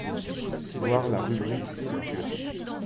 voir la rubrique culture.